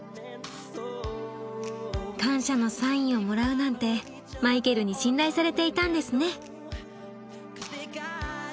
感謝のサインをもらうなんてマイケルに信頼されていたんですね。